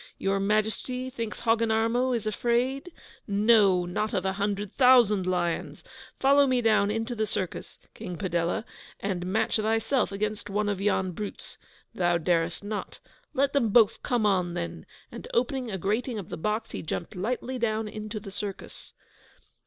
Your Majesty thinks Hogginarmo is afraid? No, not of a hundred thousand lions! Follow me down into the circus, King Padella, and match thyself against one of yon brutes. Thou darest not. Let them both come on, then!' And opening a grating of the box, he jumped lightly down into the circus.